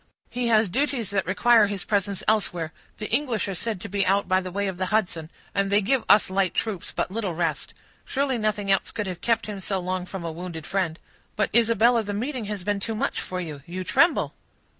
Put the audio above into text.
"He has duties that require his presence elsewhere; the English are said to be out by the way of the Hudson, and they give us light troops but little rest. Surely nothing else could have kept him so long from a wounded friend. But, Isabella, the meeting has been too much for you; you tremble."